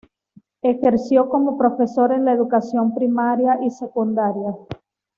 Ejerció como profesor en la educación primaria y secundaria.